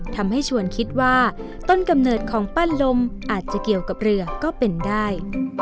ชวนคิดว่าต้นกำเนิดของปั้นลมอาจจะเกี่ยวกับเรือก็เป็นได้